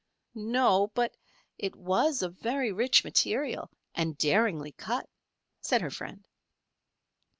"No; but it was of very rich material, and daringly cut," said her friend.